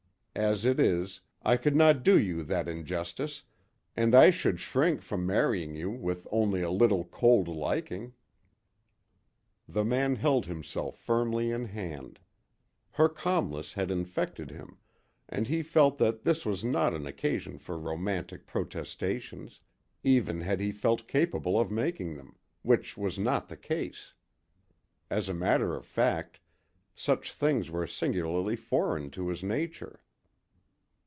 As it is, I could not do you that injustice, and I should shrink from marrying you with only a little cold liking." The man held himself firmly in hand. Her calmness had infected him, and he felt that this was not an occasion for romantic protestations, even had he felt capable of making them, which was not the case. As a matter of fact, such things were singularly foreign to his nature.